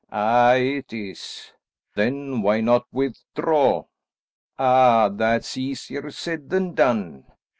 "Aye, it is." "Then why not withdraw?" "Ah, that's easier said than done.